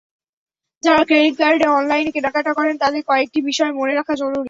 যারা ক্রেডিট কার্ডে অনলাইনে কেনাকাটা করেন, তাঁদের কয়েকটি বিষয় মনে রাখা জরুরি।